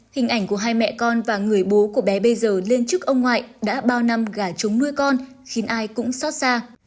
hình ảnh của hai mẹ con và người bố của bé bây giờ lên trước ông ngoại đã bao năm gả chúng nuôi con khiến ai cũng xót xa